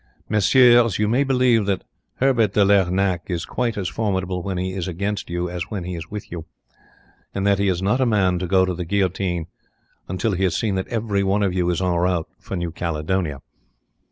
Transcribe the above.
Messieurs, you may believe that Herbert de Lernac is quite as formidable when he is against you as when he is with you, and that he is not a man to go to the guillotine until he has seen that every one of you is en route for New Caledonia.